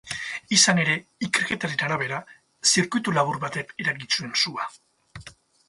Izan ere, ikerketaren arabera, zirkuitulabur batek eragin zuen sua.